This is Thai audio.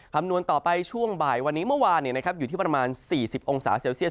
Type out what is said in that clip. คำนวณต่อไปช่วงบ่ายวันนี้เมื่อวานอยู่ที่ประมาณ๔๐องศาเซลเซียส